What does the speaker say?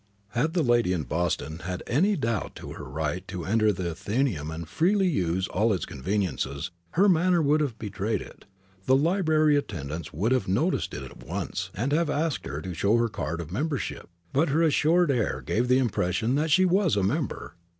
Had the lady in Boston had any doubt of her right to enter the Athenæum and freely to use all its conveniences, her manner would have betrayed it. The library attendants would have noticed it at once, and have asked her to show her card of membership. But her assured air gave the impression that she was a member.